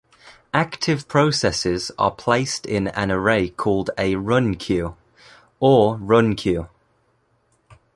Active processes are placed in an array called a run queue, or runqueue.